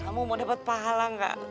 kamu mau dapat pahala gak